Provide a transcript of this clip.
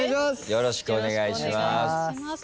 よろしくお願いします。